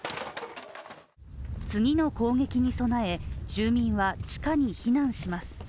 次の攻撃に備え住民は地下に避難します。